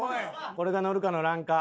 これがのるかのらんか。